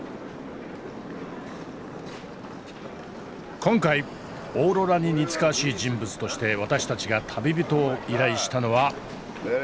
今回オーロラに似つかわしい人物として私たちが旅人を依頼したのは。